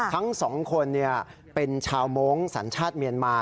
ทั้งสองคนเป็นชาวมงค์สัญชาติเมียนมา